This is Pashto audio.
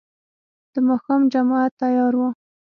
د ماښام جماعت تيار و.